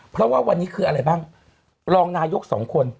เพราะว่าวันนี้คืออะไรบ้างรองนายกสองคน